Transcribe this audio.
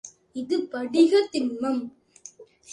இது படிகத் திண்மம்.